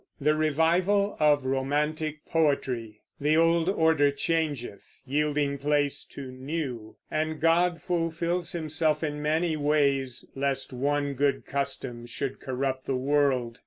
THE REVIVAL OF ROMANTIC POETRY The old order changeth, yielding place to new; And God fulfills Himself in many ways, Lest one good custom should corrupt the world.